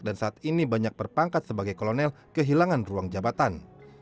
dan saat ini banyak berpangkat sebagai kolonel kehilangan ruang jabatan